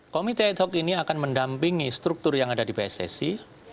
komite ad hoc ini akan mendampingi struktur yang ada di pssi